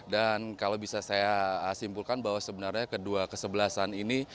dan kalau bisa saya simpulkan bahwa sebenarnya kedua kesebelasan ini